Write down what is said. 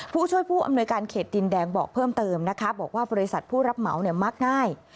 ผู้ช่วยผู้อำนวยการเขตดินแดงบอกเพิ่มเติมนะคะบอกว่าบริษัทผู้รับเหมาเนี่ยมักง่าย